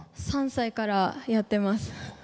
３歳からやってます。